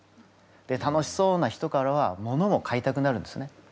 楽しそうな人からはものを買いたくなるんですね。